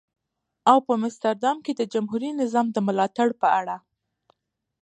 او په مستر دام کې د جمهوري نظام د ملاتړ په اړه.